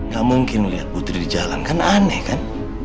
gak mungkin melihat putri di jalan kan aneh kan